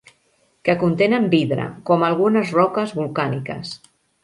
Que contenen vidre, com algunes roques volcàniques.